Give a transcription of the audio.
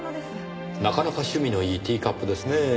なかなか趣味のいいティーカップですねぇ。